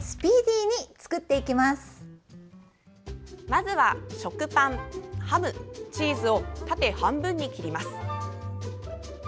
まずは、食パン、ハムチーズを縦半分に切ります。